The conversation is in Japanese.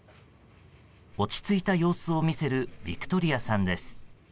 落ち着いた様子を見せるビクトリアさんです。